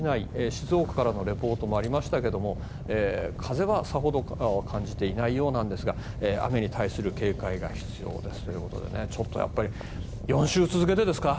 静岡からのリポートもありましたが風はさほど感じていないようなんですが雨に対する警戒が必要ですということでちょっと４週続けてですか。